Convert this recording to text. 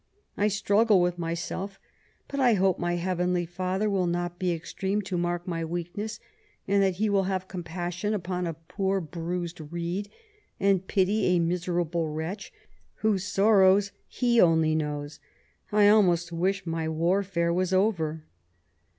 I struggle with myself, but I hope my Heavenly Father will not be extreme to mark my weakness, and that He will have compassion upon a poor bruised reed, and pity a miserable wretch, whose sorrows He only knows. ... I almost wish my war fare was over.